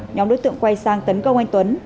nhóm đối tượng quay sang tấn công anh tuấn